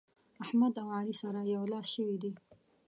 احمد او علي سره يو لاس شوي دي.